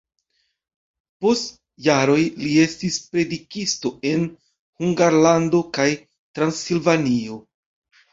Post jaroj li estis predikisto en Hungarlando kaj Transilvanio.